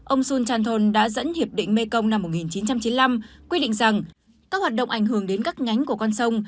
ông sul chanton đã dẫn hiệp định mekong năm một nghìn chín trăm chín mươi năm quy định rằng các hoạt động ảnh hưởng đến các nhánh của con sông